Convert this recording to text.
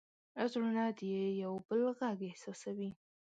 زړونه د یو بل غږ احساسوي.